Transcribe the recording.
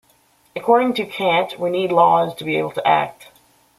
According to Kant, we need laws to be able to act.